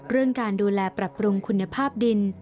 เรื่องการดูแลปรับปรุงคุณภาพดิน